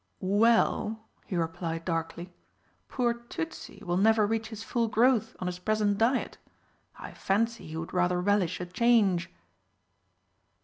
"Well," he replied darkly, "poor Tützi will never reach his full growth on his present diet. I fancy he would rather relish a change."